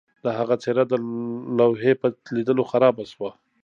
د هغه څیره د لوحې په لیدلو خرابه شوه